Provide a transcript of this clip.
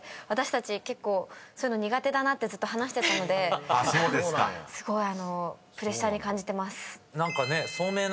私たち結構そういうの苦手だなってずっと話してたのですごいプレッシャーに感じてます。